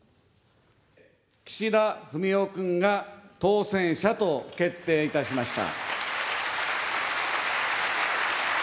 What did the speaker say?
岸田文雄君が当選者と決定いたしました。